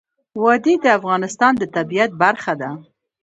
وادي د افغانستان د طبیعت برخه ده.